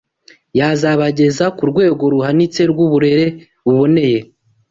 yazabageza ku rwego ruhanitse rw’uburere buboneye